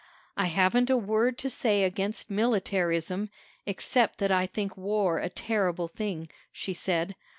"I haven't a word to say against militarism, except that I think war a terrible thing," she said.